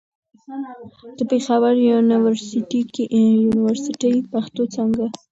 د پېښور يونيورسټۍ، پښتو څانګه